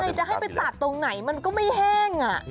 จะให้ไปตากตรงไหนมันก็ไม่แห้ง